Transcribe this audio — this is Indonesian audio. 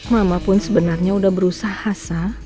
mama pun sebenarnya udah berusaha sa